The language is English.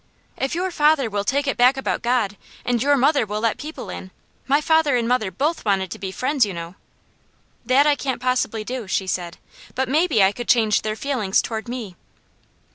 "If your father will take it back about God, and your mother will let people in my mother and father both wanted to be friends, you know." "That I can't possibly do," she said, "but maybe I could change their feelings toward me."